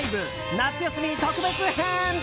夏休み特別編。